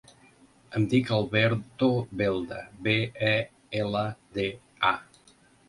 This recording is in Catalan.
Em dic Alberto Belda: be, e, ela, de, a.